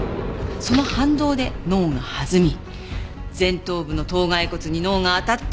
その反動で脳が弾み前頭部の頭蓋骨に脳が当たって脳挫傷。